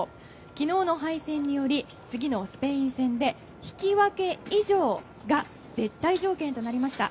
昨日の敗戦により次のスペイン戦で引き分け以上が絶対条件となりました。